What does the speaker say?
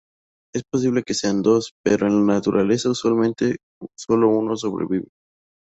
Es posible que sean dos pero en la naturaleza usualmente sólo uno sobrevive.